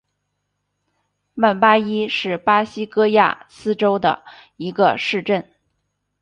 曼巴伊是巴西戈亚斯州的一个市镇。